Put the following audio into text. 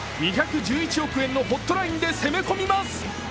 ２１１億円のホットラインで攻め込みます。